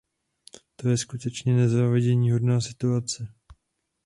To je skutečně nezáviděníhodná situace.